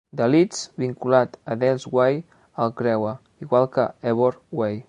The Leeds vinculat a Dales Way el creua, igual que Ebor Way.